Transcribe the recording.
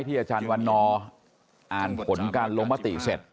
ที่อาจารย์วันนออ่านผลการลงปฏิเสร็จ